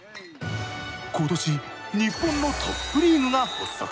今年日本のトップリーグが発足。